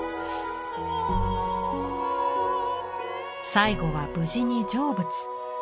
最後は無事に成仏。